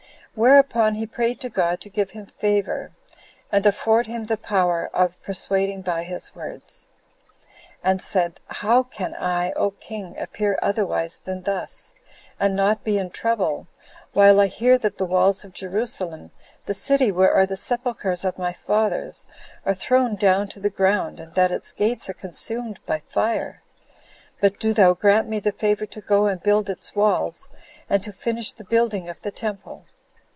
Whereupon he prayed to God to give him favor, and afford him the power of persuading by his words, and said, "How can I, O king, appear otherwise than thus, and not be in trouble, while I hear that the walls of Jerusalem, the city where are the sepulchers of my fathers, are thrown down to the ground, and that its gates are consumed by fire? But do thou grant me the favor to go and build its wall, and to finish the building of the temple."